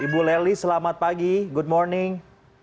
ibu leli selamat pagi good morning